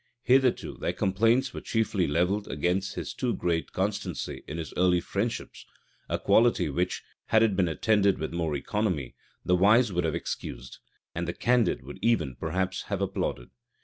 Hitherto their complaints were chiefly levelled against his too great constancy in his early friendships; a quality which, had it been attended with more economy, the wise would have excused, and the candid would even, perhaps, have applauded.